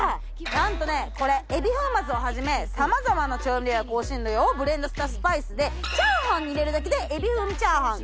なんとねこれエビ粉末をはじめさまざまな調味料や香辛料をブレンドしたスパイスでチャーハンに入れるだけでエビ風味チャーハン。